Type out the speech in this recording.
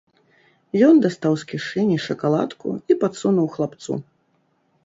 Ён дастаў з кішэні шакаладку і падсунуў хлапцу.